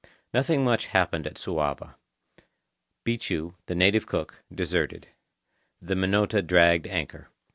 Nothing much happened at Suava. Bichu, the native cook, deserted. The Minota dragged anchor.